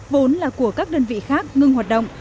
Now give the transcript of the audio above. vốn là của các đơn vị khác ngưng hoạt động